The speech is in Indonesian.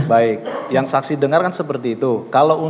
baik yang saksi dengar kan seperti itu